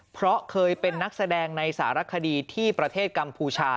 เพราะเคยเป็นนักแสดงในสารคดีที่ประเทศกัมพูชา